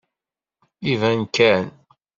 Iban kan.